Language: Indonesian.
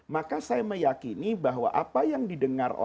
maka saya meyakini bahwa apa yang didengar